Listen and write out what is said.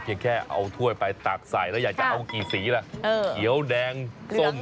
แค่เอาถ้วยไปตักใส่แล้วอยากจะเอากี่สีล่ะเขียวแดงส้ม